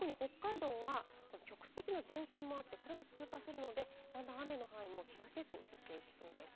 特に北海道は局地的な前線もあって、これが通過するので、段々、雨の範囲も東へと移っていきそうです。